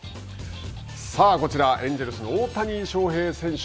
こちらエンジェルスの大谷翔平選手。